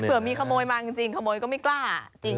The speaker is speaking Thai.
เผื่อมีขโมยมาจริงขโมยก็ไม่กล้าจริง